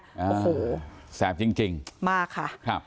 โอ้โหแสบจริงมากค่ะครับ